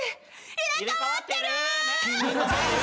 「入れ替わってる！？」ね。